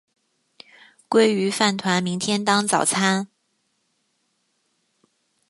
鲑鱼饭团明天当早餐